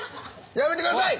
やめてください！